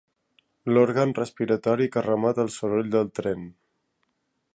L'òrgan respiratori que remet al soroll del tren.